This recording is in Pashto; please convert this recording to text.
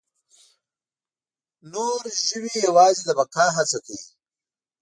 نور ژوي یواځې د بقا هڅه کوي.